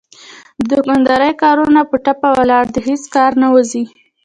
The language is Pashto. د دوکاندارۍ کارونه په ټپه ولاړ دي هېڅ کارونه نه وځي.